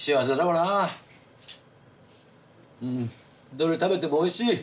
どれ食べてもおいしい。